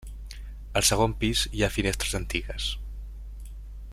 Al segon pis hi ha finestres antigues.